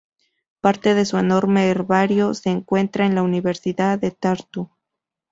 Parte de su enorme herbario se encuentra en la Universidad de Tartu.